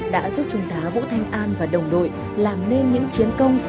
đã giúp trung tá vũ thanh an và đồng đội làm nên những chiến công